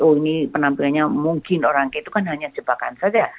oh ini penampilannya mungkin orang itu kan hanya jebakan saja